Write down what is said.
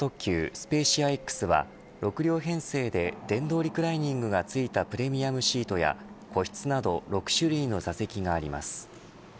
スペーシアＸは６両編成で電動リクライニングが付いたプレミアムシートや個室など６種類の座席があります。